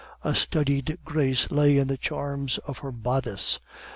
A studied grace lay in the charms of her bodice.